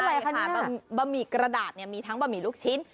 ใช่ค่ะบะหมี่กระดาษมีทั้งบะหมี่ลูกชิ้น